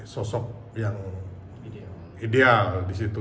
sosok yang ideal disitu